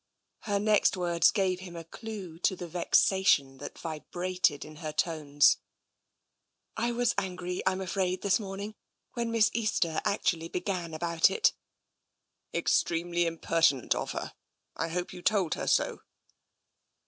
Her next words gave him a clue to the vexation that vibrated in her tones. " I was angry, Tm afraid, this morning, when Miss Easter actually began about it." " Extremely impertinent of her. I hope you told her so."